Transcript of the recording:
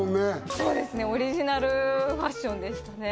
そうですねオリジナルファッションでしたね